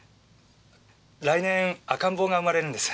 来年赤ん坊が生まれるんです。